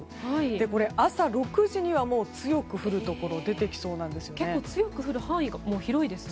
これ朝６時には強く降るところ出てきそうなんですよね。